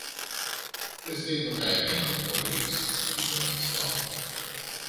Δε φταίει το καημένο το κορίτσι, είπε με φθόνο.